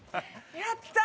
やったー！